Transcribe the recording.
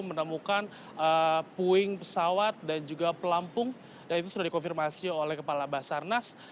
menemukan puing pesawat dan juga pelampung dan itu sudah dikonfirmasi oleh kepala basarnas